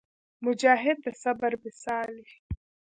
مجاهد د صبر مثال وي.